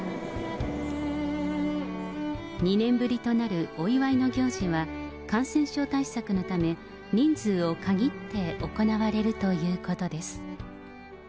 ２年ぶりとなるお祝いの行事は、感染症対策のため、人数を限って行われるということです。